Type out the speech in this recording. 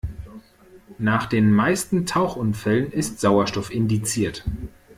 Nach den meisten Tauchunfällen ist Sauerstoff indiziert.